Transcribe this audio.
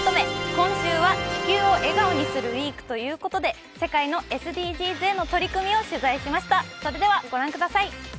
今週は「地球を笑顔にするＷＥＥＫ」ということで世界のＳＤＧｓへの取り組みを取材しました。